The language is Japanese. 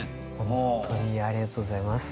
もうホントにありがとうございます